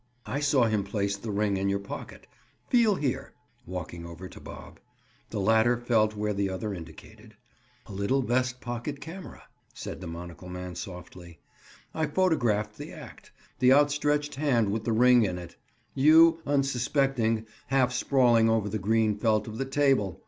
"I saw him place the ring in your pocket. Feel here," walking over to Bob. The latter felt where the other indicated. "A little vest pocket camera!" said the monocle man softly. "I photographed the act—the outstretched hand with the ring in it!—you, unsuspecting, half sprawling over the green felt of the table!